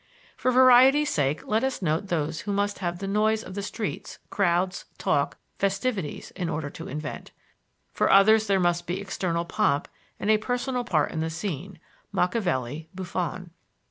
For variety's sake, let us note those who must have the noise of the streets, crowds, talk, festivities, in order to invent. For others there must be external pomp and a personal part in the scene (Machiavelli, Buffon).